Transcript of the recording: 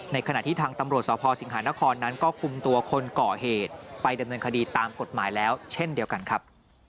ขณะที่ทางตำรวจสพสิงหานครนั้นก็คุมตัวคนก่อเหตุไปดำเนินคดีตามกฎหมายแล้วเช่นเดียวกันครับ